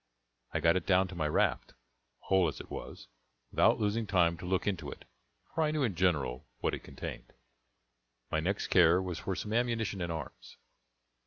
I got it down to my raft, whole as it was, without losing time to look into it, for I knew in general what it contained. My next care was for some ammunition and arms.